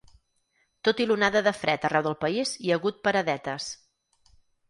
Tot i l’onada de fred arreu del país hi ha hagut paradetes.